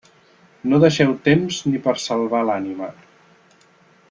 No deixeu temps ni per a salvar l'ànima.